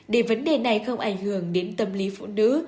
để vấn đề này không ảnh hưởng đến tâm lý phụ nữ